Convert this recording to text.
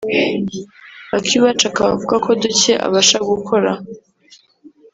Akiwacu akaba avuga ko duke abasha gukora